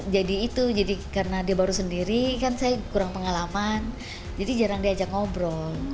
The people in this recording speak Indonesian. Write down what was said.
jadi itu jadi karena dia baru sendiri kan saya kurang pengalaman jadi jarang diajak ngobrol